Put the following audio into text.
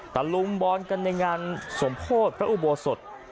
ตะลุมบอลกันในงานสมโพธิพระอุโบสถ